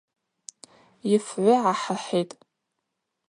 Йфгӏвы гӏахӏыхӏитӏ.